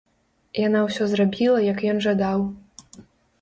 Яна ўсё зрабіла, як ён жадаў.